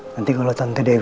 nanti kalau tante dewi dengar